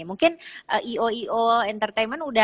mungkin io io entertainment